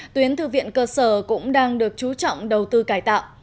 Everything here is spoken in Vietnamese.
tuyến thư viện cơ sở cũng đang được chú trọng đầu tư cải tạo